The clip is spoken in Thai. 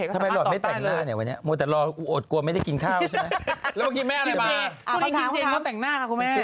คำถามคือวันนี้คือถามว่า